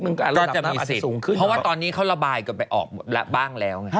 เพราะว่าตอนนี้เขาระบายกันไปออกบ้างแล้ว